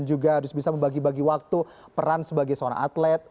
dan juga harus bisa membagi bagi waktu peran sebagai seorang atlet